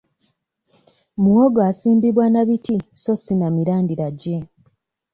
Muwogo asimbibwa na biti so si na mirandira gye.